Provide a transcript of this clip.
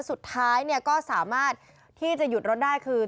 สุดท้ายก็สามารถที่จะหยุดรถได้คือ